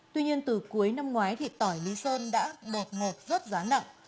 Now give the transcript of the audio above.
tuy nhiên từ cuối năm ngoái thì tỏi lý sơn đã bột ngột rất giá nặng